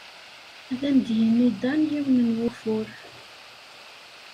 Ad am-d-yini Dan yiwen n wufur.